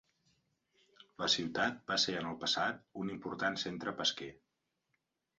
La ciutat va ser en el passat un important centre pesquer.